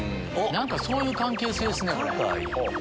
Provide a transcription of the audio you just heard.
そういう関係性っすね。